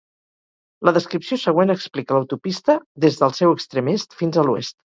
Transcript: La descripció següent explica l'autopista des de el seu extrem est fins a l'oest.